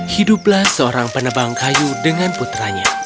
hiduplah seorang penebang kayu dengan putranya